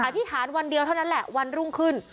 อธิษฐานวันเดียวเท่านั้นแหละวันรุ่งขึ้น